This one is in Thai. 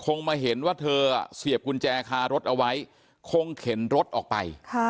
มาเห็นว่าเธอเสียบกุญแจคารถเอาไว้คงเข็นรถออกไป